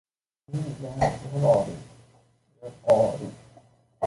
Paul Di Filippo szintén elismerte van Vogt munkásságát.